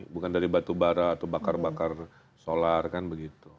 bukan dari batu bara atau bakar bakar solar kan begitu